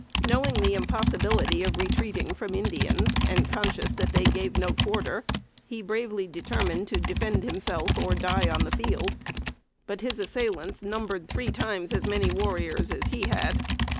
Knowing the impossibility of retreating from Indians, and conscious that they gave no quarter, he bravely determined to defend himself or die on the field. But his assailants numbered three times as many warriors as he had.